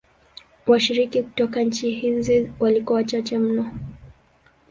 Washiriki kutoka nchi hizi walikuwa wachache mno.